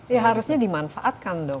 ya harusnya dimanfaatkan dong